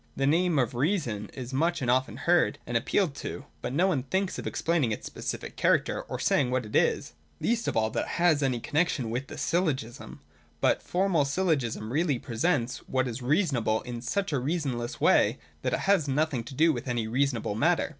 The name of reason is much and often heard, and appealed to : but no one thinks of explaining its specific character, or saying what it is, — least of all that it has any connexion with Syllogism. But formal Syllogism really presents what is reasonable in such a reasonless way that it has nothing to do with any reasonable matter.